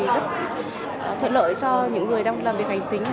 rất thuận lợi cho những người đang làm việc hành chính